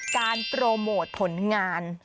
การโปรโมทผลงาน